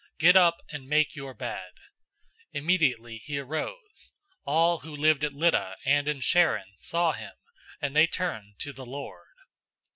Get up and make your bed!" Immediately he arose. 009:035 All who lived at Lydda and in Sharon saw him, and they turned to the Lord.